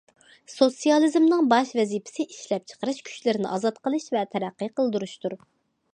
سوتسىيالىزمنىڭ باش ۋەزىپىسى ئىشلەپچىقىرىش كۈچلىرىنى ئازاد قىلىش ۋە تەرەققىي قىلدۇرۇشتۇر.